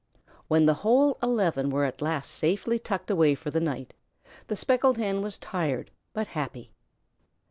When the whole eleven were at last safely tucked away for the night, the Speckled Hen was tired but happy.